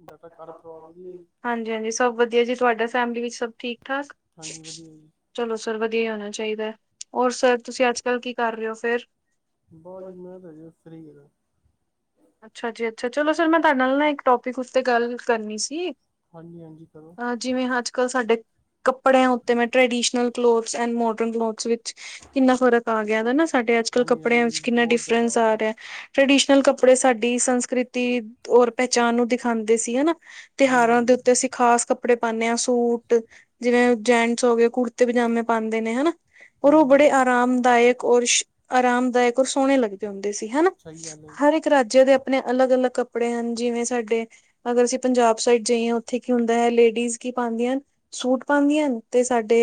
[unintelligible] ਹਾਂਜੀ ਹਾਂਜੀ ਸਭ ਵਧੀਆ ਜੀ ਤੁਹਾਡਾ ਫੈਮਲੀ ਵਿੱਚ ਸਭ ਠੀਕ-ਠਾਕ? ਚਲੋ ਸਰ ਵਧੀਆ ਹੀ ਹੋਣਾ ਚਾਈਦਾ ਹੈ, ਹੋਰ ਸਰ ਤੁਸੀਂ ਅੱਜ ਕੱਲ ਕੀ ਕਰ ਰਏ ਓ ਫੇਰ ਬਾ ਜੀ ਮੈਂ ਤਾਂ ਅਜੇ ਫਰੀ ਆ। ਅੱਛਾ ਜੀ ਅੱਛਾ ਚਲੋ ਸਰ ਮੈਂ ਤੁਹਾਡੇ ਨਾਲ ਨਾ ਇੱਕ ਟੋਪਿਕ ਉੱਤੇ ਗੱਲ ਕਰਨੀ ਸੀ। ਹਾਂਜ-ਹਾਂਜੀ ਕਰੋ। ਜਿਵੇਂ ਅੱਜ ਕੱਲ੍ਹ ਸਾਡੇ, ਕੱਪੜਿਆਂ ਉੱਤੇ ਮੈਂ traditional clothes and modern clothes ਵਿੱਚ ਕਿੰਨਾ ਫਰਕ ਆ ਗਿਆ ਨਾ ਸਾਡੇ ਅੱਜ-ਕਲ ਕੱਪੜਿਆਂ 'ਚ ਕਿੰਨਾ ਡਿਫਰੈਂਸ ਆ ਰਿਹਾ ਟ੍ਰਡੀਸ਼ਨਲ ਕਪ ਫਿਰ ਇਹ ਸਾਡੀ ਸੰਸਕ੍ਰਿਤੀ, ਔਰ ਪਹਿਚਾਣ ਨੂੰ ਦਿਖਾਂਦੇ ਸੀ ਹਨਾ। ਤਿਉਹਾਰਾਂ ਦੇ ਓੱਤੇ ਅਸੀ ਖ਼ਾਸ ਕੱਪੜੇ ਪਾਣੇ ਆ, ਸੂਟ ਜਿਵੇਂ ਜੈਂਟਸ ਓ ਗਏ ਕੁੜਤੇ ਪਜਾਮੇ-ਪਾਂਦੇ ਨੇ ਹੇਨਾ ਔਰ ਓਹ ਬੜੇ ਆਰਾਮਦਾਇਕ ਔਰ, ਆਰਾਮਦਾਇਕ ਔਰ ਸੋਹਣੇ ਲੱਗਦੇ ਹੁੰਦੇ ਸੀ ਹੇਨਾ ਸਈ ਗੱਲ ਹੈ। ਇਕ ਰਾਜੇ ਦੇ ਆਪਣੇ ਅਲੱਗ-ਅਲੱਗ ਕੱਪੜੇ ਹਨ ਜਿਵੇਂ ਸਾਡੇ ਅਗਰ ਅਸੀ ਪੰਜਾਬ ਸਾਈਡ ਜਾਈਏ ਓੱਥੇ ਕੀ ਹੁੰਦਾ ਹੈ ਲੇਡੀਜ਼ ਕੀ ਪਾਂਦੀਆਂ ਹਨ। ਸੂਟ ਪਾਦੀਆਂ ਹਨ ਤੇ ਸਾਡੇ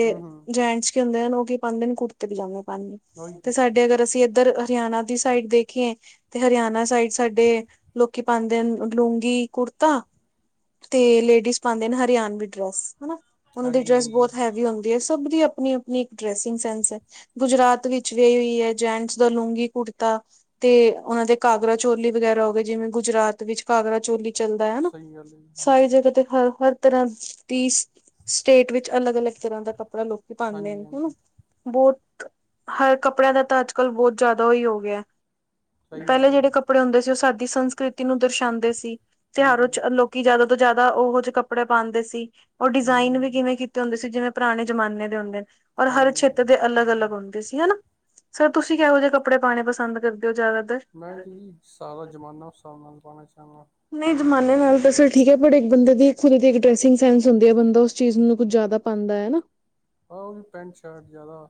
ਜੈਂਟਸ ਕੀ ਹੁੰਦੇ ਹਨ ਓ ਕੀ ਪਾਦੇ ਨੇ ਕੁੜਤੇ ਪਜਾਮੇ ਪਾਦੇ। ਤੇ ਸਾਡੇ ਅਗਰ ਅਸੀਂ ਏਧਰ ਹਰਿਆਣਾ ਦੀ ਸਾਈਡ ਦੇਖੀਏ। ਤੇ ਹਰਿਆਣਾ ਸਾਈਡ ਸਾਡੇ, ਲੋਕੀ ਪਾਦੇ ਅਨ ਲੂੰਗੀ ਕੁੜਤਾ ਤੇ ਲੇਡੀਜ਼ ਪਾਦੇ ਨੇ ਹਰਿਆਨਵੀ ਡਰੈਸ, ਹਨਾਂ ਓਨਾ ਦੀ ਡਰੈਸ ਬਹੁਤ ਹੈ ਵੀ ਹੁੰਦੀ ਐ ਸਭ ਦੀ ਆਪਣੀ-ਆਪਣੀ ਇੱਕ ਡਰੈਸਿੰਗ ਸੈਂਸ ਹੈ। ਗੁਜਰਾਤ ਵਿੱਚ ਏਓ ਈ ਆ ਜੈਂਟਸ ਦਾ ਲੂੰਘੀ ਕੁੜਤਾ, ਤੇ ਓਨਾਂ ਦੇ ਕਾਗਰਾ ਚੋਲੀ ਵਗੈਰਾ ਹੋ ਗਏ ਜਿਵੇਂ ਗੁਜਰਾਤ ਵਿੱਚ ਘਾਘਰਾ ਚੋਲੀ ਚੱਲਦਾ ਹਨਾ, ਸਾਰੀ ਜਗਾ ਤੇ ਹਰ-ਹਰ ਤਰਾ ਤੀਸ ਸਟੇਟ ਵਿਚ ਅਲੱਗ -ਅਲੱਗ ਤਰ੍ਹਾਂ ਦਾ ਕੱਪੜਾ ਲੋਕੀ ਪਾਉਂਦੇ ਨੇ ਹਨਾ। ਬਹੁਤ ਹਰ ਕੱਪੜਿਆਂ ਦਾ ਤਾਂ ਅੱਜ ਕੱਲ੍ਹ ਬਹੁਤ ਜ਼ਿਆਦਾ ਹੀ ਹੋ ਗਿਆ। ਪਹਿਲੇ ਜਿਹੜੇ ਕੱਪੜੇ ਹੁੰਦੇ ਸੀ ਉਹ ਸਾਦੀ ਸੰਸਕ੍ਰਿਤੀ ਨੂੰ ਦਰਸਾਉਂਦੇ ਸੀ। ਤਿਉਾਰ ਚ ਲੋਕੀ ਜਿਆਦਾ ਤੋਂ ਜਿਆਦਾ ਉਹੋ ਜਿਹੇ ਕੱਪੜੇ ਪਾਉਂਦੇ ਸੀ ਉਹ ਡਿਜ਼ਾਇਨ ਵੀ ਕਿਵੇਂ। ਹੁੰਦੇ ਸੀ ਜਿਵੇਂ ਪੁਰਾਣੇ ਜ਼ਮਾਨੇ ਦੇ ਹੁੰਦੇ ਨੇ। ਔਰ ਹਰ ਛੇਤਰ ਦੇ ਅਲੱਗ ਅਲੱਗ ਹੁੰਦੇ ਸੀ ਹਨਾ ਸਰ ਤੁਸੀਂ ਕਿਹੋ ਜਿਹੇ ਕੱਪੜੇ ਪਾਉਣੇ ਪਸੰਦ ਕਰਦੇ। ਜੋਂ ਜ਼ਿਆਦਾਤਰ। ਸਾਰਾ ਜਮਾਨਾ ਹਿਸਾਬ ਨਾਲ ਪਾਉਣਾ ਚਾਹੁੰਦਾ। ਨਹੀਂ ਜਮਾਨੇ ਨਾਲ ਤਾਂ ਸਰ ਠੀਕ ਹੈ ਪਰ ਇੱਕ ਬੰਦੇ ਦੀ ਖੁਦੇ ਦੀ ਇੱਕ ਡਰੈਸਿੰਗ ਸੈਂਸ ਹੁੰਦੀ ਹੈ ਬੰਦਾ ਉਸ ਚੀਜ਼ ਨੂੰ ਕੁੱਝ ਜ਼ਿਆਦਾ। ਪਾਉਂਦਾ ਹੈਨਾਂ। ਆਹ ਉਹ ਵੀ ਪੈਂਟ ਸ਼ਰਟ ਜ਼ਿਆਦਾ।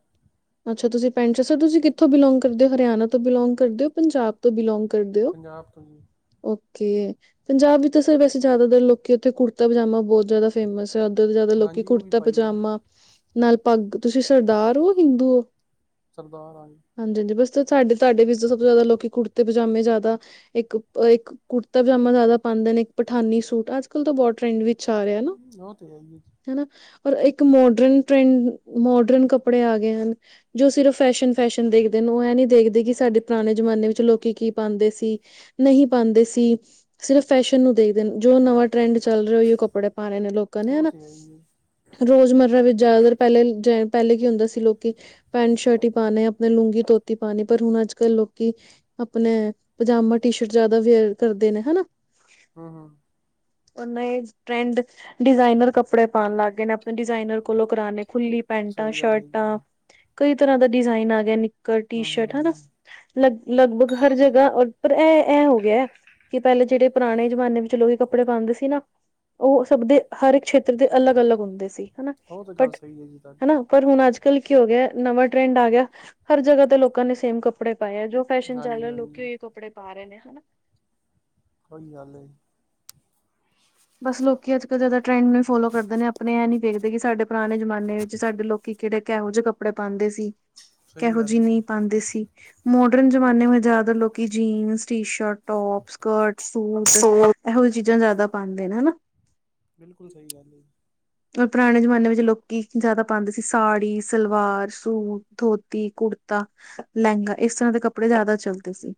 ਅੱਛਾ ਤੁਸੀਂ ਪੈਂਟ ਸ਼ਰਟ ਸਰ ਤੁਸੀਂ ਕਿੱਥੋਂ ਬਿਲੋਂਗ ਕਰਦੇ ਹੋ ਹਰਿਆਣਾ ਤੋਂ ਬਿਲੋਂਗ ਕਰਦੇ ਹੋ ਪੰਜਾਬ। ਤੋਂ ਬਿਲੋਂਗ ਕਰ ਦਿਓ। ਓਕੇ ਪੰਜਾਬ ਵਿੱਚ ਤਾਂ ਸਰ ਵੈਸੇ ਜਿਆਦਾਤਰ ਲੋਕੀ ਉੱਥੇ ਕੁੜਤਾ ਪਜਾਮਾ। ਬਹੁਤ ਜਿਆਦਾ ਫੇਮਸ ਹੈ ਉੱਧਰ ਦੇ ਜਿਆਦਾ ਲੋਕੀ ਕੁੜਤਾ ਪਜਾਮਾ ਨਾਲ ਪੱਗ ਤੁਸੀਂ ਸਰਦਾਰ ਹੋ। ਦੋ। ਹਾਂਜੀ, ਹਾਂਜੀ ਬਸ ਸਾਡੇ ਤੁਹਾਡੇ ਵਿੱਚ ਸਭ ਤੋਂ ਜ਼ਿਆਦਾ ਲੋਕੀ ਕੁੜਤੇ ਪਜਾਮੇ ਜ਼ਿਆਦਾ ਇੱਕ ਕੁੜਤਾ ਪਜਾਮਾ ਜ਼ਿਆਦਾ ਪਾਉਂਦੇ ਨੇ ਇੱਕ ਪਠਾਨੀ ਸੂਟ ਅੱਜ ਕਲ ਤਾਂ ਬਹੁਤ ਟ੍ਰੈਂਡ ਵਿੱਚ ਆ ਰਿਹਾ ਨਾ। ਹਨਾ ਔਰ ਇੱਕ ਮੋਡਰਨ ਟ੍ਰੈਂਡ ਮੋਡਰਨ ਕੱਪੜੇ ਆ ਗਏ ਹਨ। ਜੋ ਸਿਰਫ ਫੈਸ਼ਨ, ਫੈਸ਼ਨ ਦੇਖਦੇ ਨੇ ਉਹ ਇਹ ਨੀ ਦੇਖਦੇ ਕਿ ਸਾਡੇ ਪੁਰਾਣੇ ਜਮਾਨੇ ਵਿੱਚ ਲੋਕੀ ਕੀ ਪਾਉਂਦੇ ਸੀ। ਨਹੀਂ ਪਾਉਂਦੇ ਸੀ। ਸਿਰਫ ਫੈਸ਼ਨ ਨੂੰ ਦੇਖਦੇ ਜੋ ਨਵਾਂ ਟਰੈਂਡ ਚੱਲ ਰਿਹਾ ਹੋ ਉਹ ਕੱਪੜੇ ਪਾਉਣੇ ਨੇ ਲੋਕਾਂ ਨੇ ਹਨਾ। ਰੋਜ਼ਮਰਾ ਵਿੱਚ ਜ਼ਿਆਦਾਤਰ ਪਹਿਲੇ ਜ ਪਹਿਲੇ ਕੀ ਹੁੰਦਾ ਸੀ ਲੋਕ ਪੈਂਟ ਸ਼ਰਟ ਹੀ ਪਾਉਣੇ ਆਪਣੇ ਲੂੰਗੀ ਧੋਤੀ ਪਾਣੀ ਪਰ ਹੁਣ ਅੱਜ ਕੱਲ੍ਹ ਲੋਕੀ ਆਪਣੇ ਪਜਾਮਾ ਟੀ ਸ਼ਰਟ ਜਿਆਦਾ ਵੇਅਰ ਕਰਦੇ ਨੇ ਹਨਾ। ਉਹਨਾਂ ਇਹ ਟਰੈਂਡ ਡਿਜ਼ਾਇਨਰ ਕੱਪੜੇ ਪਾਉਣ ਲੱਗ ਗਏ ਨੇ ਆਪਣੇ ਡਿਜ਼ਾਇਨਰ ਕੋਲੋਂ ਕਰਾਣੇ ਖੁੱਲੀ ਪੈਂਟਾਂ ਸ਼ਰਟਾਂ। ਕਈ ਤਰ੍ਹਾਂ ਦਾ ਡਿਜ਼ਾਇਨ ਆ ਗਿਆ ਨਿੱਕਰ ਟੀ ਸ਼ਰਟ ਹਨਾ। ਲਗ ਲਗਭਗ ਹਰ ਜਗ੍ਹਾ ਪਰ ਇਹ ਇਹ ਹੋ ਗਿਆ। ਕਿ ਪਹਿਲੇ ਜਿਹੜੇ ਪੁਰਾਣੇ ਜਮਾਨੇ ਵਿੱਚ ਲੋਕ ਕੱਪੜੇ ਪਾਉਂਦੇ ਸੀ ਨਾ। ਉਹ ਸਭ ਦੇ ਹਰ ਇੱਕ ਖੇਤਰ ਦੇ ਅਲੱਗ- ਅਲੱਗ ਹੁੰਦੇ ਸੀ ਹਨਾ ਬਟ ਹਨਾ ਪਰ ਹੁਣ ਅੱਜ। ਹੋ ਗਿਆ ਨਵਾਂ ਟਰੈਂਡ ਆ ਗਿਆ ਹਰ ਜਗ੍ਹਾ ਤੇ ਲੋਕਾਂ ਨੇ ਸੇਮ ਕੱਪੜੇ ਪਾਏ ਜੋ। ਫੈਸ਼ਨ ਚੱਲ ਰਿਹਾ ਹੈ ਲੋਕੀ ਉਹੀਓ ਕੱਪੜੇ ਪਾ ਰਹੇ ਨੇ ਹਨਾ। ਕੋਈ ਗੱਲ ਨਹੀਂ। ਬਸ ਲੋਕੀ ਅੱਜ ਕੱਲ੍ਹ ਜ਼ਿਆਦਾ ਟਰੈਂਡ ਨੂੰ ਫੋਲੋ ਕਰਦੇ ਨੇ ਆਪ। ਆਪਣੇ ਇਹ ਨਹੀਂ ਵੇਖਦੇ ਕਿ ਸਾਡੇ ਪੁਰਾਣੇ ਜਮਾਨੇ ਵਿੱਚ ਸਾਡੇ ਲੋਕੀ ਕਿਹੜੇ ਕਿਹੋ ਜਿਹੇ ਕੱਪੜੇ ਪਾਉਂਦੇ ਸੀ। ਕਿਹੋ ਜਿਹੀ ਨਹੀਂ ਪਾਉਂਦੇ ਸੀ। ਮੋਡਰਨ ਜ਼ਮਾਨੇ ਮੇਂ ਜ਼ਿਆਦਾਤਰ ਲੋਕੀ jeans T shirt top skirt suit. So ਇਹੋ ਜਹੀ ਚੀਜ਼ਾਂ ਜ਼ਿਆਦਾ ਪਾਉਦੇ ਨੇ ਹਨਾ। ਬਿਲਕੁਲ ਸਹੀ ਗੱਲ ਜੀ। ਅ ਪੁਰਾਣੇ ਜ਼ਮਾਨੇ ਵਿੱਚ ਲੋਕੀ ਜ਼ਿਆਦਾ ਪਾਉਂਦੇ ਸੀ ਸਾੜੀ, ਸਲਵਾਰ, ਸੂਟ, ਧੋਤੀ, ਕੁੜਤਾ। ਲਹਿੰਗਾ ਇਸ ਤਰ੍ਹਾਂ ਦੇ ਕੱਪੜੇ ਜ਼ਿਆਦਾ ਚੱਲਦੇ ਸੀ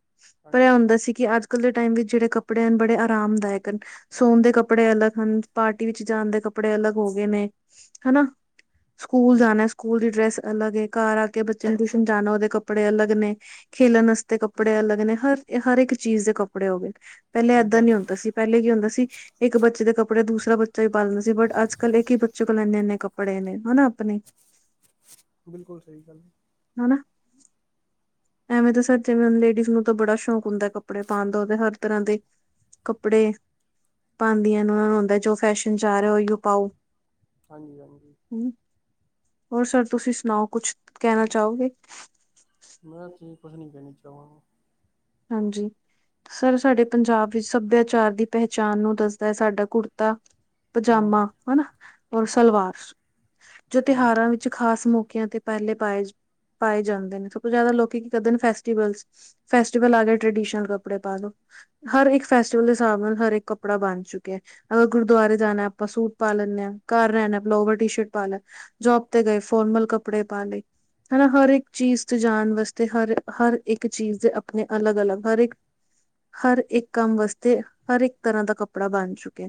ਪਰ ਇਹ ਹੁੰਦਾ ਸੀ ਕਿ ਅੱਜ। ਅੱਜ ਕੱਲ ਦੇ ਟਾਈਮ ਵਿੱਚ ਜਿਹੜੇ ਕੱਪੜੇ ਹਨ ਬੜੇ ਆਰਾਮਦਾਇਕ ਹਨ। ਸੋਣ ਦੇ ਕੱਪੜੇ ਅਲੱਗ ਹਨ ਪਾਰਟੀ ਵਿੱਚ ਜਾਣ ਦੇ ਕੱਪੜੇ ਅਲੱਗ ਹੋ ਗਏ ਨੇ ਹਨਾ ਸਕੂਲ ਜਾਣਾ ਸਕੂਲ ਦੀ ਡਰੈਸ ਅਲੱਗ। ਘਰ ਆ ਕੇ ਬੱਚੇ ਟਿਊਸ਼ਨ ਜਾਣਾ ਉਹਦੇ ਕੱੜੇ ਅਲੱਗ ਨੇ ਖੇਲਣ ਵਾਸਤੇ ਕੱਪੜੇ ਅਲੱਗ ਨੇ ਹਰ, ਹਰ ਇੱਕ ਚੀਜ਼ ਦੇ ਕੱਪੜੇ ਹੋ ਗਏ ਪਹਿਲੇ ਏਦਾਂ ਨੀ ਹੁੰਦਾ ਸੀ। ਪਹਿਲੇ ਕੀ ਹੁੰਦਾ ਸੀ ਇੱਕ ਬੱਚੇ ਦੇ ਕੱਪੜੇ ਦੂਸਰਾ ਬੱਚਾ ਵੀ ਪਾਦਾ ਸੀ ਬਟ ਅੱਜ ਇਕੱਲੇ ਕੀ ਬੱਚੇ ਕੋਲ ਇੰਨੇ-ਇੰਨੇ ਕੱਪੜੇ ਨੇ ਹਨਾ ਆਪਣੇ ਬਿਲਕੁਲ ਸਹੀ ਗੱਲ ਹੈ। ਹਨਾ, ਐਵੇਂ ਤਾਂ ਸਰ ਜਿਵੇਂ ਲੇਡੀਜ਼ ਨੂੰ ਤਾਂ ਬੜਾ ਸ਼ੌਂਕ ਹੁੰਦਾ, ਕੱਪੜਾ ਕੱਪੜੇ ਪਾਉਣ ਦਾ, ਉਹਦੇ ਹਰ ਤਰ੍ਹਾਂ ਦੇ, ਕੱਪੜੇ ਪਾਉਦੀਆਂ, ਉਹ ਨੂੰ ਹੁੰਦਾ ਜੋ ਫੈਸ਼ਨ ਜਾ ਰਿਹਾ, ਉਹੀ ਪਾਓ। ਹਾਂਜੀ, ਹਾਂਜੀ। ਹੋਰ ਸਰ, ਤੁਸੀਂ ਸੁਣਾਓ ਕੁਛ? ਕਹਿਣਾ ਚਾਹੋਗੇ ਮੈਂ ਤੇ ਕੁਛ ਨੀ ਕਹਿਣਾ ਚਾਹਾਂਗਾ। ਹਾਂਜੀ, ਸਰ ਸਾਡੇ ਪੰਜਾਬ ਵਿੱਚ ਸਭਿਆਚਾਰ ਦੀ ਪਹਿਚਾਣ ਨੂੰ ਦੱਸ ਤਾਂ ਸਾਡਾ ਕੁੜਤਾ ਪਜਾਮਾ, ਹਨਾ, ਔਰ ਸਲਵਾਰ ਜੋ ਤਿਉਹਾਰਾਂ ਵਿੱਚ ਖ਼ਾਸ ਮੌਕਿਆਂ ਤੇ ਪਹਿਲੇ ਪਾਏ, ਪਾਏ ਜਾਂਦੇ ਨੇ, ਸਭ ਤੋਂ ਜਿਆਦਾ ਲੋਕ ਕੀ ਕਰਦੇ ਨੇ, ਫੈਸਟੀਵਲ ਫੈਸਟੀਵਲ ਆ ਗਿਆ ਟ੍ਰਡੀਸ਼ਨਲ ਕੱਪੜੇ ਪਾ ਦੋ, ਹਰ ਇੱਕ ਫੈਸਟੀਵਲ ਦੇ ਹਿਸਾਬ ਨਾਲ ਹਰੇਕ ਕੱਪ ਕੱਪੜਾ ਬਣ ਚੁੱਕਿਆ ਹੈ, ਅਗਰ ਗੁਰਦੁਆਰੇ ਜਾਣਾ, ਆਪਾਂ ਸੂਟ ਪਾ ਲੈਂਦੇ ਹਾਂ, ਘਰ ਰਹਿਣਾ ਲੋਵਰ ਟੀ ਸ਼ਰਟ ਪਾ ਲੈ ਜੋਬ ਤੇ ਗਏ ਫੋਰਮਲ ਕੱਪੜੇ ਪਾ ਲਏ। ਹਨਾ, ਹਰ ਇੱਕ ਚੀਜ਼ ਤੇ ਜਾਣ ਵਾਸਤੇ ਹਰ, ਹਰ ਇੱਕ ਚੀਜ਼ ਦੇ ਆਪਣੇ ਅਲੱਗ, ਹਰ ਇੱਕ, ਹਰ ਇੱਕ ਕੰਮ ਵਾਸਤੇ, ਹਰ ਇੱਕ ਤਰ੍ਹਾਂ ਦਾ ਕੱ ਕੱਪੜਾ ਬਣ ਚੁੱਕੇ,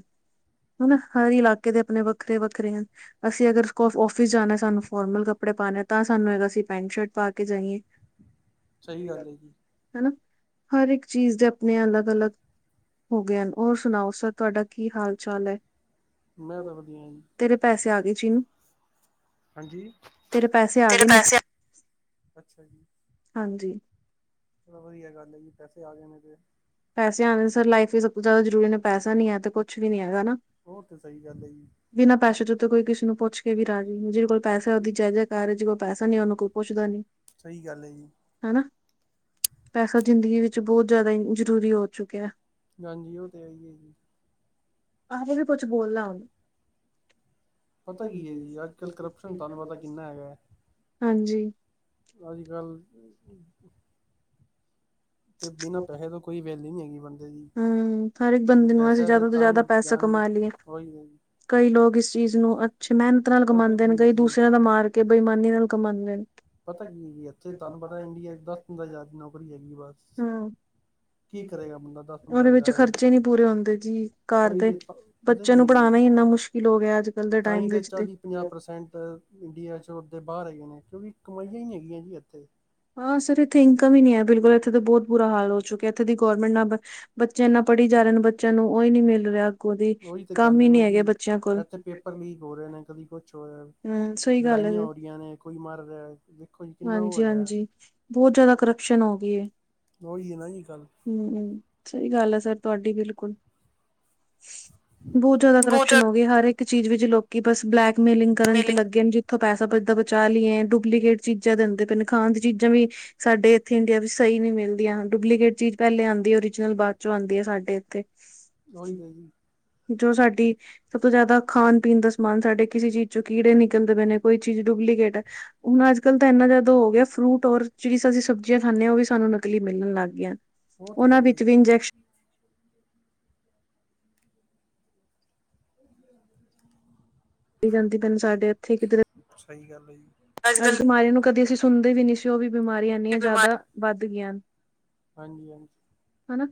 ਹਨਾ ਹਰ ਇਲਾਕੇ ਦੇ ਆਪਣੇ ਵੱਖਰੇ- ਵੱਖਰੇ ਹਨ, ਅਸੀਂ ਅਗਰ ਆਫਿਸ ਜਾਣਾ ਸਾਨੂੰ ਫੋਰਮਲ ਕੱਪੜੇ ਪਾਉਣੇ, ਤਾਂ ਸਾਨੂੰ ਹੈਗਾ ਅਸੀਂ ਪੈਂਟ ਸ਼ਰਟ ਪਾ ਕੇ ਜਾਈਏ। ਸਹੀ ਗੱਲ ਹੈ ਜੀ। ਹਨਾ, ਹਰ ਇੱਕ ਚੀਜ਼ ਦੇ ਆਪਣੇ ਅਲੱਗ- ਅਲੱਗ। ਹੋ ਗਿਆ ਏ, ਹੋਰ ਸੁਣਾਓ ਸਰ ਤੁਹਾਡਾ ਕੀ ਹਾਲ -ਚਾਲ ਹੈ। ਮੈਂ ਤਾਂ ਵਧੀਆ ਜੀ। ਤੇਰੇ ਪੈਸੇ ਆ ਗਏ ਜਿਹਨੂੰ। ਹਾਂਜੀ, ਪੈਸੇ ਆ ਗਏ ਨੇ ਅੱਛਾ ਜੀ। ਹਾਂਜੀ। ਬੜਾ ਵਧੀਆ ਗੱਲ ਹੈ ਜੀ, ਪੈਸੇ ਆ ਗਏ ਨੇ ਤੇ। ਪੈਸੇ ਆਉਣੇ ਸਰ ਲਾਈਫ ਵੀ ਸਭ ਤੋਂ ਜ਼ਿਆਦਾ ਜ਼ਰੂਰੀ ਨੇ, ਪੈਸਾ ਨੀ ਹੈ ਤੇ ਕੁਛ ਵੀ ਨੀ ਹੈਗਾਾ। ਹੋਰ ਤੇ ਸਹੀ ਗੱਲ ਹੈ ਜੀ। ਬਿਨਾਂ ਪੈਸੇ ਤੋਂ ਉੱਤੇ ਕੋਈ ਕਿਸੇ ਨੂੰ ਪੁੱਛ ਕੇ ਵੀ ਰਾਜੀ ਨਹੀ, ਜਿਹਦੇ ਕੋਲ ਪੈਸਾ ਉਹਦੀ ਜੈ ਜੈ। ਘਰ 'ਚ ਕੋਈ ਪੈਸਾ ਨੀ, ਉਹਨੂੰ ਕੋਈ ਪੁੱਛਦਾ ਨੀ। ਸਹੀ ਗੱਲ ਜੀ। ਹਨਾ, ਪੈਸਾ ਜ਼ਿੰਦਗੀ ਵਿੱਚ ਬਹੁਤ ਜ਼ਿਆਦਾ ਜ਼ਰੂਰੀ ਹੋ ਚੁੱਕਿਆ। ਹਾਂਜੀ, ਉਹ ਤੇ ਹੈ ਜੀ। ਆਗੇ ਵੀ ਕੁੱਛ ਬੋਲ ਨਾ ਹੁਣ। ਪਤਾ ਕੀ ਹੈ ਜੀ, ਅੱਜ- ਕੱਲ੍ਹ ਕਰਪਸ਼ਨ ਤੁਹਾਨੂੰ ਪਤਾ ਕਿੰਨਾ ਹੈਗਾ। ਹਾਂਜੀ। ਅਜ- ਕੱਲ੍ਹ। ਤੇ ਬਿਨਾਂ ਪੈਸੇ ਤੋਂ ਕੋਈ ਵੈਲਿਊ ਨਹੀਂ ਹੈਗੀ, ਬਣ ਜੀ, ਹਮ ਹਰ ਇੱਕ ਇਹ ਬੰਦੇ ਨੂੰ ਅਸੀਂ ਪੈਸਾ ਦੇ ਜ਼ਿਆਦਾ ਤੋਂ ਤਾਂ ਜ਼ਿਆਦਾ ਹੀ ਪੈਸਾ ਜਾਣਗੇ ਕਮਾ ਲਈਏ ਉਹੀ। ਕਈ ਲੋਕ ਇਸ ਚੀਜ਼ ਨੂੰ ਅੱਛੇ ਮਿਹਨਤ ਨਾਲ ਕਮਾਉਂਦੇ ਨੇ, ਕਈ ਦੂਸਰਿਆਂ ਦਾ ਮਾਰ ਕੇ ਬੇਈਮਾਨੀ ਨਾਲ ਕਮਾਂਉਦੇ ਨੇ। ਪਤਾ ਕੀ, ਇੱਥੇ ਤੁਹਾਨੂੰ ਪਤਾ ਇੰਡੀਆ ਦਸ ਪੰਦਰਾ ਹਜ਼ਾਰ ਦੀ ਨੌਕਰੀ ਹੈਗੀ ਬਾਹਰ ਹਮ ਉਹਦੇ ਵਿੱਚ ਖਰਚੇ ਨੀ ਪੂਰੇ ਹੁੰਦੇ ਜੀ, ਘਰ ਦੇ ਬੱਚਿਆਂ ਨੂੰ ਪੜ੍ਹਾਉਣਾ ਹੀ ਇੰਨਾ ਮੁਸ਼ਕਿਲ ਹੋ ਗਿਆ, ਅੱਜ ਕੱਲ ਦੇ ਟਾਈਮ ਵਿੱਚ ਤੇ ਇੰਡੀਆ ਤੋਂ ਜਾਦਾ ਬਾਹਰ ਹੈਗੇ ਨੇ, ਕਿਉਂਕਿ ਕਮਾਈਆਂ ਹੀ ਨਹੀਂ ਹੈਗੀਆਂ ਜੀ ਇੱਥੇ। ਹਾਂ ਸਰ ਇੱਥੇ ਇਨਕਮ ਹੀ ਨੀ ਹੈ, ਬਿਲਕੁਲ ਇੱਥੇ ਤਾਂ ਬਹੁਤ। ਬੁਰਾ ਹਾਲ ਹੋ ਚੁੱਕਿਆ, ਇੱਥੇ ਦੀ ਗੌਰਮੈਂਟ ਨਾ, ਬੱਚੇ ਇਨਾ ਪੜ੍ਹੀ ਜਾ ਰਹੇ ਨੇ, ਬੱਚਿਆਂ ਨੂੰ ਉਹ ਹੀ ਨੀ ਮਿਲ ਰਿਹਾ। ਅੱਗੋਂ ਦੀ ਉਹੀ ਤਾਂ ਕੰਮ ਗੱਲ ਹੈ ਹੀ ਨਾ ਨਹੀਂ ਜੀ, ਹੈਗੇ ਬੱਚਿਆਂ ਕੋਲ ਇੱਥੇ ਪੇਪਰ ਲੀਕ ਹੋ ਰਹੇ ਨੇ, ਕਦੀ ਕੁਛ ਹੋ ਰਿਹਾ। ਹਮ ਸਹੀ ਗੱਲ ਹੈ ਲੜਾਈਆਂ ਜੀ। ਹੋ ਰਹੀਆਂ ਨੇ, ਕੋਈ ਮਰ ਰਿਹਾ, ਦੇਖੋ ਜੀ ਕਿੰਨਾ ਉਹ ਹੈਗਾ। ਜੀ, ਬਹੁਤ ਜਿਆਦਾ ਕਰਪਸ਼ਨ ਹੋ ਗਈ ਏ। ਹਮ -ਹਮ, ਸਹੀ ਗੱਲ ਆ, ਸਰ ਤੁਹਾਡੀ ਬਿਲਕੁਲ। ਬਹੁਤ ਜਿਆਦਾ ਬਹੁਤ ਕਰਪਸ਼ਨ ਹੋ ਗਈ ਹਰ ਇੱਕ। ਚੀਜ਼ ਵਿੱਚ ਲੋਕੀ ਬਸ ਬਲੈਕਮੇਲਿੰਗ ਕਰਨ ਤੇ ਮਿਲੇਗੇ ਲੱਗੇ। ਜਿੱਥੋਂ ਪੈਸਾ ਬਚਦਾ ਬਚਾ ਲਈਏ ਡੁਪਲੀਕੇਟ। ਚੀਜ਼ਾਂ ਦਿੰਦੇ ਪਣੇ ਹਨ। ਖਾਣ ਦੀ ਚੀਜ਼ਾਂ ਵੀ ਸਾਡੇ ਇੱਥੇ ਇੰਡੀਆ ਵਿੱਚ ਸਹੀ ਨੀ ਮਿਲਦੀਆਂ, ਡੁਪਲੀਕੇਟ ਚੀਜ਼ ਪਹਿਲੇ ਆਉਂਦੀ ਆ ਉਹ। ਬਾਅਦ ਚੋਂ ਆਉਂਦੀ ਹੈ ਸਾਡੇ ਇੱਥੇ। ਉਹੀ ਤੇ ਹੈ ਜੀ। ਜੋ ਸਾਡੀ ਸਭ ਤੋਂ ਜ਼ਿਆਦਾ ਖਾਣ-ਪੀਣ, ਦਾ ਸਮਾਨ ਸਾਡੇ ਕਿਸੇ ਚੀਜ਼ ਚੋਂ ਕੀੜੇ ਨੀ- ਕਲਦੇ ਪਏ ਨੇ, ਕੋਈ ਚੀਜ਼ ਡੁਪਲੀਕੇਟ ਹੈ, ਹੁਣ ਅੱਜ ਕੱਲ ਤਾਂ ਇੰਨਾ ਜ਼ਿਆਦਾ ਹੋ ਗਿਆ। ਫਰੂਟ ਔਰ ਜਿ ਅਸੀਂ ਸਬਜ਼ੀਆਂ ਖਾਂਦੇ ਹ, ਉਹ ਵੀ ਸਾਨੂੰ ਨਕਲੀ ਮਿਲਣ ਲੱਗ ਗਈ ਉਹਨਾਂ ਵਿੱਚ ਵੀ ਇੰਜੈਕਸ਼ਨ। [inaudible] ਜਾਂਦੀ ਮੈਨੂੰ ਸਾਡੇ ਇੱਥੇ ਕਿਧਰੇ। ਸਹੀ ਗੱਲ। ਅੱਜ ਬਿਮਾਰੀ ਨੂੰ ਕਦੇ ਅਸੀਂ ਸੁਣਦੇ ਵੀ ਨਹੀਂ ਸੀ, ਉਹ ਵੀ ਬਿਮਾਰੀਆਂ ਇੰਨੀਆਂ ਜ਼ਿਆਦਾ ਵੱਧ ਗਈਆਂ ਹਨ। ਹਾਂਜੀ -ਹਾਂਜੀ। ਹਨਾ।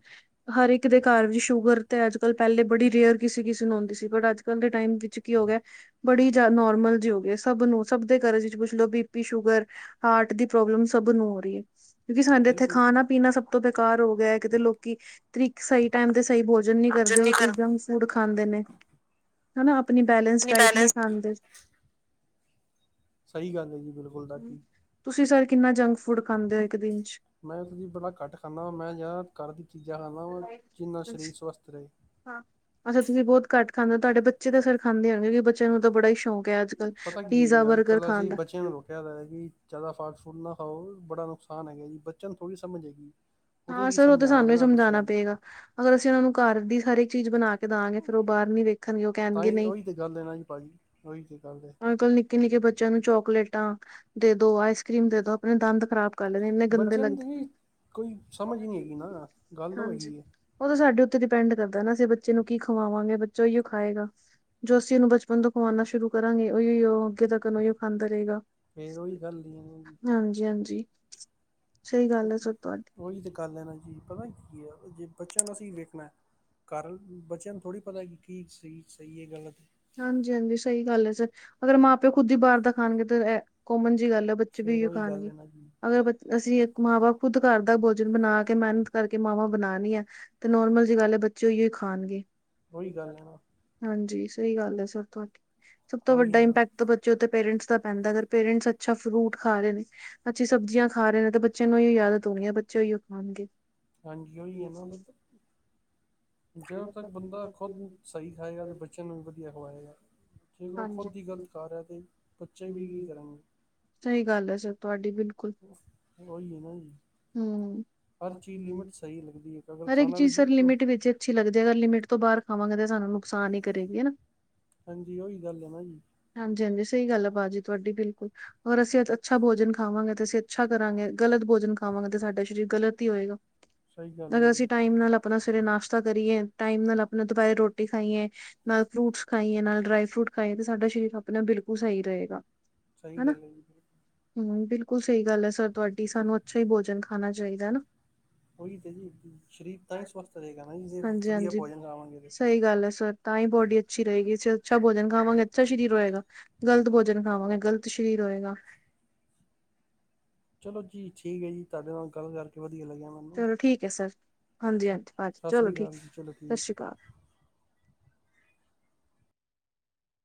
ਹਰ ਇੱਕ ਦੇ ਘਰ ਵਿੱਚ ਸ਼ੂਗਰ ਤੇ, ਅੱਜ ਕੱਲ ਪਹਿਲੇ ਬੜੀ ਰੇਅਰ ਕਿਸੇ- ਕਿਸੇ ਨੂੰ ਆਉਂਦੀ ਸੀ, ਬਟ ਅੱਜ ਕੱਲ ਦੇ ਟਾਈਮ ਵਿੱਚ ਕੀ ਹੋ ਗਿਆ। ਬੜੀ ਜ ਨੋਰਮਲ ਜਿ ਹੋ ਗ ਸਭ ਨੂੰ ਸਭ ਦੇ ਘਰਾ ਚ ਪੁੱਛ ਲੋ ਬੀਪੀ ਸ਼ੂਗਰ। ਹਾਰਟ ਦੀ ਪ੍ਰੋਬਲਮ ਸਭ ਨੂੰ ਹੋ ਰਹੀ ਹੈ, ਕਿਉਂਕਿ ਸਾਡੇ ਇੱਥੇ ਖਾਣਾ- ਪੀਣਾ ਸਭ ਤੋਂ ਬੇਕਾਰ ਹੋ ਗਿਆ। ਤੇ ਲੋਕੀ ਤਰੀਕ ਸਹੀ ਟਾਈਮ ਤੇ ਸਹੀ ਭੋਜਨ ਨੀ ਕਰਦੇ। ਜਨ ਉਹ ਨਹੀਂ ਤੋਂ ਕਰ ਜੰਕ ਫੂਡ ਖਾਂਦੇ ਨੇ। ਹਨਾ ਆਪਣੀ ਬੈਲੇੈਂਸ ਡਾਇਟ ਨਹੀਂ ਬੈਲੈਂਸ ਖਾਣਦੇ। ਸਹੀ ਗੱਲ ਹੈ ਜੀ। ਤੁਸੀਂ ਸਰ ਕਿੰਨਾ ਜੰਕ ਫੂਡ ਖਾਂਦੇ ਹੋ ਇੱਕ ਦਿਨ ਚ। ਮੈਂਮ ਬੜਾ ਘੱਟ ਖਾਂਦਾ ਵਾ। ਮੈਂ ਯ ਘਰ ਦੀਆਂ ਚੀਜ਼ਾਂ ਖਾਂਦਾ ਵਾ। ਜਿੰਨਾ ਚ ਸਰੀਰ ਸਵਸਥ ਰਹੇ। ਹਾਂ ਅਸੀਂ ਤੁਸੀਂ ਬਹੁਤ ਘੱਟ ਖਾਂਦੇ ਹੋ। ਤੁਹਾਡੇ ਬੱਚੇ ਤਾਂ ਫੇਰ ਖਾਂਦੇ ਹੋਣਗੇ ਕਿਉਂਕ ਬੱਚਿਆਂ ਨੂੰ ਤਾਂ ਬੜਾ ਹੀ ਸ਼ੌਕ-। ਹੈ ਅੱਜ ਕੱਲ੍ਹ ਪਤਾ ਪੀਜ਼ਾ ਕੀ ਅੱਜ ਬਰਗਰ ਕੱਲ ਖਾਣ ਅਸੀ ਦਾ ਬੱਚਿਆਂ ਨੂੰ ਰੋਕਿਆ ਦਾ ਕਿ- ਜ਼ਿਆਦਾ ਫਾਸਟ ਫੂਟ ਨਾ ਖਾਓ ਬੜਾ ਨੁਕਸਾਨ ਹੈਗਾ ਜੀ। ਬੱਚਿਆਂ ਨੂੰ ਥੋੜੀ ਸਮਝ ਹੈਗੀ। ਹਾਂ ਸਰ ਉਹ ਤਾਂ ਸਾਨੂੰ ਹੀ ਸਮਝਾਉਣਾ ਪਏਗਾ, ਅਗਰ ਅਸੀਂ ਉਹਨਾਂ ਨੂੰ ਘਰ ਦੀ ਹਰ ਇੱਕ ਚੀਜ਼ ਬਣਾ ਕੇ। ਦਾਗੇ ਫੇਰ ਉਹ ਬਾਹਰ ਨੀ ਵੇਖਣਗੇ, ਉਹ ਕਹਿਣਗੇ ਨਹੀਂ ਨ। ਨਿੱਕੇ-ਨਿੱਕੇ ਬੱਚਿਆਂ ਨੂੰ ਚੋਕਲੇਟਾਂ ਦੇ ਦੋ, ਆਈਸ ਕਰ੍ਰੀਮ ਦੇ ਦੋ। ਆਪਣੇ ਦੰਦ ਖ਼ਰਾਬ ਕਰ ਲੈਂਦੇ ਇੰਨੇ ਗੰਦੇ ਲੱਗਦੇ ਨੇ। ਕੋਈ ਸਮਝ ਹੀ ਨਹੀਂ ਹੈਗੀ ਨਾ। ਗੱਲ ਔ ਹਾਂਜੀ। ਹੈਗੀ ਹੈ। ਉਹ ਤਾਂ ਸਾਡੇ ਉੱਤੇ ਡਿਪੈਂਡ ਕਰਦਾ, ਨਾ ਅਸੀਂ ਬੱਚੇ ਨੂੰ ਕੀ ਖਵਾਵਾਂਗੇ ਬੱਚਾ ਓਹੀਓ ਖਾਏਗਾ। ਜੋ ਅਸੀਂ ਉਹਨੂੰ ਬਚਪਣ ਤੋਂ ਖਮਵਾਉਣਾ ਸ਼ੁਰੂ ਕਰਾਂਗੇ, ਉਹੀ ਉਹ ਅੱਗੇ ਤੱਕ ਉਹੀ ਖਾਂਦਾ ਰਹੇਗਾ। ਫੇਰ ਉਹੀ ਗੱਲ ਨਹੀਂ। ਹਾਂਜੀ -ਹਾਂਜੀ। ਸਹੀ ਗੱਲ ਹੈ ਸਰ ਤੁਹਾਡੀ। ਉਹੀ ਤੇ ਗੱਲ ਹੈ ਨਾ ਜੀ, ਪਤਾ ਕੀ ਹੈ, ਜੇ ਬੱਚਿਆਂ ਨੂੰ ਅਸੀਂ ਵੇਖਣਾ। ਕਾਰਨ ਬੱਚਿਆਂ ਨੂੰ ਥੋੜੀ ਪਤਾ ਕਿ, ਕੀ ਸਹੀ- ਸਹੀ, ਹੈ ਗੱਲਤ। ਹਾਂਜੀ- ਹਾਂਜੀ ਸਹੀ ਗੱਲ ਹੈ, ਸਰ ਅਗਰ ਮਾਂ- ਪਿਓ, ਖੁਦ ਹੀ ਬਾਹਰ ਦਾ ਖਾਣਗੇ, ਤਾਂ ਇਹ ਕੋਮਨ ਜਿਹੀ ਗੱਲ ਹੈ। ਬੱਚੇ ਵੀ ਉਹੀ ਓ ਖਾਣਗੇ ਅਗਰ ਬ- ਅਸੀਂ ਇੱਕ ਮਾਵਾਂ ਖੁਦ ਘਰ ਦਾ ਭੋਜਨ ਬਣਾ ਕੇ ਮਿਹਨਤ ਕਰਕੇ ਮਾਵਾਂ ਬਣਾਨੀ ਆ। ਤੇ ਨੋਰਮਲ ਜਿਹੀ ਗੱਲ ਹੈ ਬੱਚੇ ਓ ਹੀ ਓ ਖਾਣਗੇ। ਓਹੀ ਗੱਲ ਹੈ। ਹਾਂਜੀ ਸਹੀ ਗੱਲ ਹੈ ਸਰ, ਤੁਹਾਡੀ ਸਭ ਤੋਂ ਵੱਡਾ ਇੰਪੈਕਟ ਤਾਂ ਬੱਚੇ ਉੱਥੇ ਪੇਰੈਂਟਸ ਦਾ ਪੈਂਦਾ, ਅਗਰ ਪੇਰੈਂਟਸ ਅੱਛਾ ਫਰੂਟ ਖਾ ਰਹੇ ਨੇ‌‌ ਅੱਛੀ ਸਬਜ਼ੀਆਂ ਖਾ ਰਹੇ ਨੇ, ਤੇ ਬੱਚਿਆਂ ਨੂੰ ਇਹੀ ਆਜਤ ਹੋਣੀ ਹੈ। ਬੱਚੇ ਉਹੀਓ ਖਾਣਗੇ। ਹਾਂਜੀ ਉਹੀ ਹੈ ਨਾ, ਜਦੋਂ ਤੱਕ ਬੰਦਾ ਖੁਦ ਸਹੀ ਖਾਏਗਾ ਤੇ ਬਚ ਬੱਚਿਆਂ ਨੂੰ ਵੀ ਵਧੀਆ ਖਵਾਏਗਾ। ਜੇ ਉਹ ਖੁਦ ਹੀ ਹਾਂਜੀ। ਗਲਤ ਖਾ ਰੇਹਾ ਤੇ ਬੱਚੇ ਵੀ ਕੀ ਕਰਨਗੇ। ਸਹੀ ਗੱਲ ਹੈ ਸਰ ਤੁਹਾਡੀ ਬਿਲਕੁਲ। ਉਹੀ ਹੈ ਨਾ ਜੀ। ਹੂੰ। ਹਰ ਚੀਜ਼ ਲਿਮਿਟ ਸਹੀ ਲੱਗਦੀ ਹੈ। ਹਰ ਇੱਕ ਚੀਜ਼ ਸਰ ਲਿਮਿਟ ਵਿੱਚ ਅੱਛੀ ਲੱਗਦੀ ਹੈ। ਅਗਰ ਲਿਮਿਟ ਤੋਂ ਬਾਹਰ ਖਾਵਾਂਗੇ ਤਾਂ ਸਾਨੂੰ ਨੁਕਸਾਨ ਹੀ ਕਰੇਗੀ, ਹਨਾ। ਹਾਂਜੀ ਉਹੀ ਗੱਲ ਹੈ ਨਾ ਜੀ। ਹਾਂਜੀ-ਹਾਂਜੀ ਸਹੀ ਗੱਲ ਆ ਭਾਅ ਜੀ ਤੁਹਾਡੀ ਬਿਲਕੁਲ ਅਗਰ ਅਸੀਂ ਅੱਛਾ ਭੋਜਨ ਖਾਵਾਂਗੇ ਤੇ ਅਸੀਂ। ਅੱਛਾ ਕਰਾਂਗੇ ਗ਼ਲਤ ਭੋਜਨ ਖਾਵਾਂਗੇ ਤੇ ਸਾਡਾ ਸਰੀਰ ਗਲਤ ਹੀ ਹੋਏਗਾ। ਅਗਰ ਅਸੀਂ ਟਾਈਮ ਨਾਲ ਆਪਣਾ ਸਵੇਰੇ ਨਾਸ਼ਤਾ ਕਰੀਏ। ਟਾਈਮ ਨਾਲ ਆਪਣਾ ਦੁਪਹਿਰੇ ਰੋਟੀ ਖਾਈਏ। ਨਾਲ ਫਰੂਟਸ ਖਾਈਏ ਨਾਲ ਡਰਾਈ ਫਰੂਟ ਖਾਈਏ ਤੇ ਸਾਡਾ ਸਰੀਰ ਆਪਣੇ ਆਪ ਬਿਲਕੁਲ ਸਹੀ ਰਹੇਗਾ। ਸਹੀ ਗੱਲ ਹੈ ਜੀ। ਹਮ ਬਿਲਕੁਲ ਸਹੀ ਗੱਲ ਹੈ ਸਰ ਤੁਹਾਡੀ ਸਾਨੂੰ ਅੱਛਾ ਹੀ ਭੋਜਨ ਖਾਣਾ ਚਾਹੀਦਾ ਨਾ। ਉਹੀ ਤੇ ਜੀ ਸਰੀਰ ਤਾਂ ਹੀ ਸਵਸਥ ਰਹੇਗਾ ਨਾ ਜੀ ਵਧੀਆ ਹਾਂਜੀ-ਹਾਂਜੀ ਭੋਜਨ ਖਾਵਾਂਗੇ ਤੇ। ਸਹੀ ਗੱਲ ਹੈ ਸਰ। ਤਾਂ ਹੀ ਬੋਡੀ ਅੱਛੀ ਰਹੇਗੀ ਜੇ ਅੱਛਾ ਭੋਜਨ ਖਾਵਗੇ ਅੱਛਾ ਸਰੀਰ ਹੋਏਗਾ। ਗ਼ਲਤ ਭੋਜਨ ਖਾਵਾਂਗੇ ਗ਼ਲਤ ਸਰੀਰ ਹੋਏਗਾ। ਚਲੋ ਜੀ ਠੀਕ ਹੈ ਜੀ ਤੁਹਾਡੇ ਨਾਲ ਗੱਲ ਕਰਕੇ ਵਧੀਆ ਲੱਗਿਆ। ਮੈਂ ਹਮ ਚਲੋ ਠੀਕ ਹੈ ਸਰ ਹਾਂਜੀ ਅੱਛਾ, ਹਾਂਜੀ ਭਾਜੀ ਸਤਿ ਚਲੋ ਸ੍ਰੀ ਅਕਾਲ ਠੀਕ ਜੀ, ਚਲੋ ਸਤਿ ਜੀ। ਸ਼੍ਰੀ ਅਕਾਲ